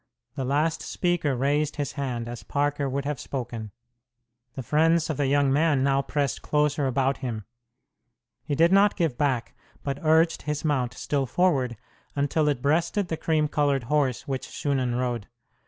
The last speaker raised his hand as Parker would have spoken. The friends of the young man now pressed closer about him. He did not give back, but urged his mount still forward, until it breasted the cream colored horse which Shunan rode.